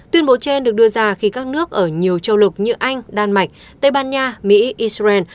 tuyên bố trên được đưa ra khi các nước ở nhiều châu lục như anh đan mạch tây ban nha mỹ israel